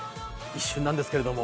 一瞬なんですけれども。